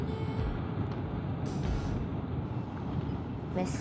メス。